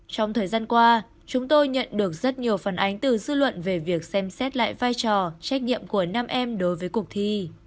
trong thời gian qua chúng tôi nhận được rất nhiều phản ánh từ dư luận về việc xem xét lại vai trò trách nhiệm của nam em đối với cuộc thi